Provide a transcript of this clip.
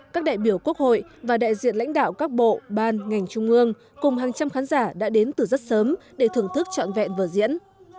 các đại biểu quốc hội và đại diện lãnh đạo các bộ ban ngành trung ương cùng hàng trăm khán giả đã đến từ rất sớm để thưởng thức trọn vẹn vợ diễn